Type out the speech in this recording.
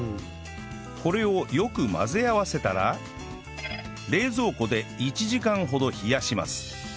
これをよく混ぜ合わせたら冷蔵庫で１時間ほど冷やします